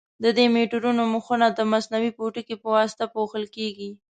د دې میټرونو مخونه د مصنوعي پوټکي په واسطه پوښل کېږي.